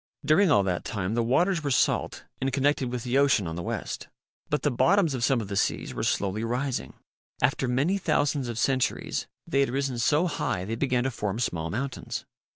During all that time the waters were salt and connected with the ocean on the west. But the bottoms of some of the seas were slowly rising. After many thousands of centuries, they had risen so high they began to form small mountains.